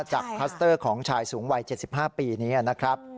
คลัสเตอร์ของชายสูงวัย๗๕ปีนี้นะครับ